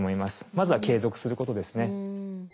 まずは継続することですね。